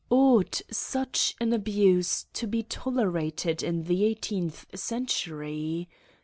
Ought such an abuse to be tolerated in the eighteenth century